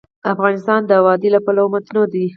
افغانستان د وادي له پلوه متنوع دی.